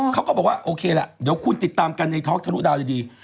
เขาก็บอกว่าโอเคล่ะเดี๋ยวคุณติดตามกันในท็อกทะลุดาวดี